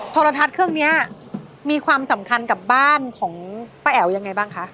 โทรทัศน์เครื่องนี้มีความสำคัญกับบ้านของป้าแอ๋วยังไงบ้างคะ